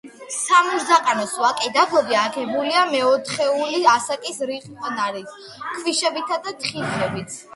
სამურზაყანოს ვაკე-დაბლობი აგებულია მეოთხეული ასაკის რიყნარით, ქვიშებითა და თიხებით.